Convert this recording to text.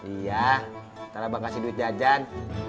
iya ntar abang kasih duit jajan